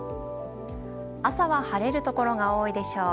朝は晴れるところが多いでしょう。